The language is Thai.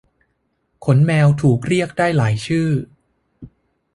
ขนแมวถูกเรียกได้หลากหลายชื่อ